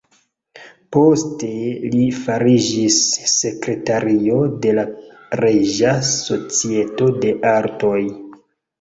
Poste li fariĝis sekretario de la Reĝa Societo de Artoj.